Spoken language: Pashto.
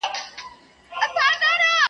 د کوترو لویه خونه کي کوتري .